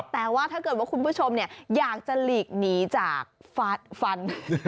แต่ว่าถ้าเกิดว่าคุณผู้ชมอยากจะหลีกหนีจากฟัน